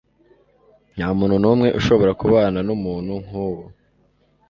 Ntamuntu numwe ushobora kubana numuntu nkuwo.